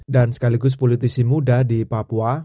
dan sekaligus politisi muda di papua